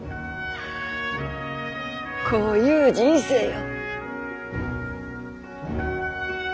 こういう人生よ。